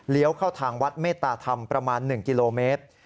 เข้าทางวัดเมตตาธรรมประมาณ๑กิโลเมตร